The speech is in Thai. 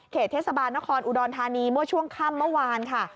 เทศบาลนครอุดรธานีเมื่อช่วงค่ำเมื่อวานค่ะ